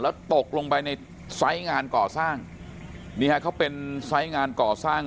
แล้วตกลงไปในไซส์งานก่อสร้างนี่ฮะเขาเป็นไซส์งานก่อสร้าง